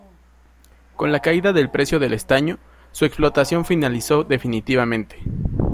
Con la caída del precio del estaño, su explotación finalizó definitivamente.